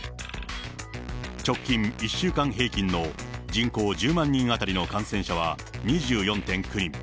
直近１週間平均の人口１０万人当たりの感染者は２４．９人。